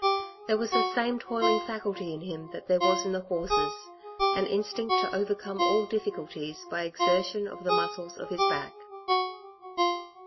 There was the same toiling faculty in him that there was in the horses an instinct to overcome all difficulties by exertion of the muscles of his back.